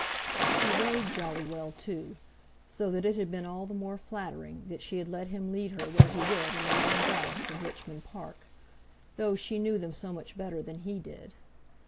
She rode "Jolly well," too, so that it had been all the more flattering that she had let him lead her where he would in the long gallops of Richmond Park, though she knew them so much better than he did.